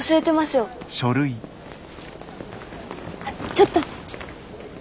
ちょっと。